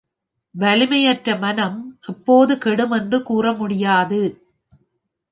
வலிமையற்ற மனம் எப்போது கெடும் என்று கூற முடியாது.